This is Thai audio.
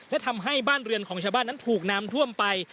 และทำให้บ้านเรือนของชาวบ้านนั้นถูกน้ำท่วมไป